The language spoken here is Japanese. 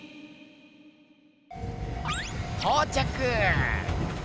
とうちゃく！